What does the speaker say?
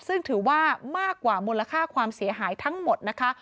ซึ่งถือว่ามากกว่ามูลค่าความเสียหายทั้งหมดนะคะ